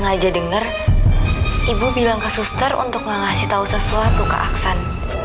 saya sengaja dengar ibu bilang ke suster untuk ngasih tau sesuatu ke aksan